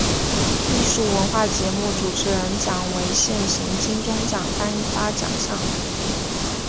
艺术文化节目主持人奖为现行金钟奖颁发奖项。